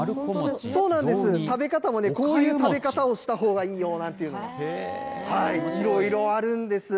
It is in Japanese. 食べ方もね、こういう食べ方をしたほうがいいよなんて、いろいろあるんです。